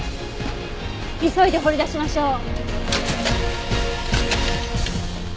急いで掘り出しましょう。